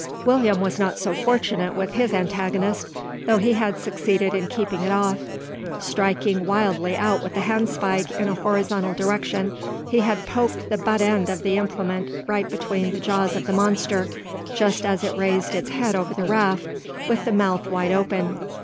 William was not so fortunate with his antagonist, though he had succeeded in keeping it off. Striking wildly out with the handspike in a horizontal direction, he had poked the butt end of the implement right between the jaws of the monster, just as it raised its head over the raft with the mouth wide open.